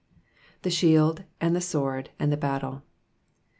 7'A« shield, and the sicord, and the battle.'